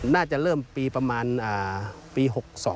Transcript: น่าจะเริ่มปีประมาณปี๖๒